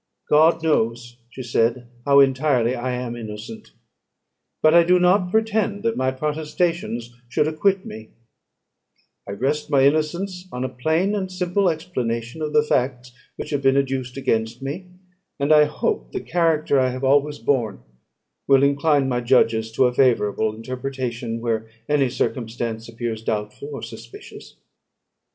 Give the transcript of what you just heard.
"God knows," she said, "how entirely I am innocent. But I do not pretend that my protestations should acquit me: I rest my innocence on a plain and simple explanation of the facts which have been adduced against me; and I hope the character I have always borne will incline my judges to a favourable interpretation, where any circumstance appears doubtful or suspicious."